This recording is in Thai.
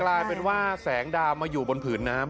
กลายเป็นว่าแสงดาวมาอยู่บนผืนน้ำ